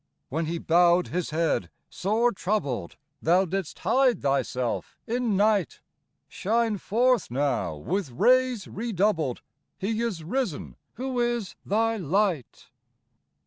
When he bowed His head, sore troubled, Thou didst hide thyself in night : Shine forth now with rays redoubled ; He is risen who is thy light.